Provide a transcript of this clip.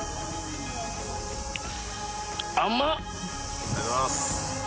ありがとうございます。